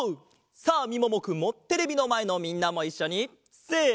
さあみももくんもテレビのまえのみんなもいっしょにせの！